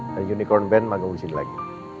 dan unicorn band manggung disini lagi